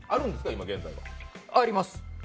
今現在？あります。